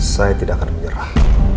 saya tidak akan menyerah